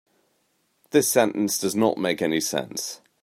This sentence does not make any sense.